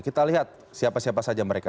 kita lihat siapa siapa saja mereka